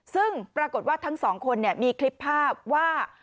ซึ่งปรากฏว่าทั้งสองคนมีคลิปภาพว่า